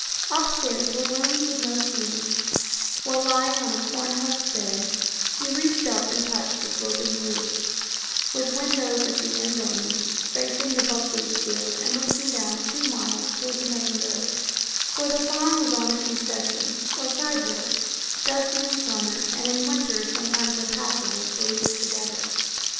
Upstairs were rooms with no ceil ings, where, lying on a corn husk bed, you reached up and touched the sloping roof, with windows at the end only, facing the buckwheat field, and looking down two miles toward the main road — for the farm was on a concession or side road, dusty in summer, and in win ter sometimes impassable for weeks together.